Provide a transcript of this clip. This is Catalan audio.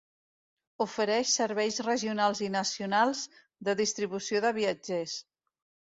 Ofereix serveis regionals i nacionals de distribució de viatgers.